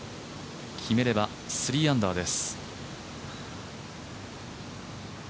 決めれば３アンダーです。